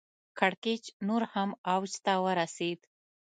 کړکېچ نور هم اوج ته ورسېد.